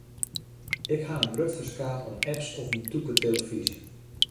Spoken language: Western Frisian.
Ik haw in grut ferskaat oan apps op myn tûke telefyzje.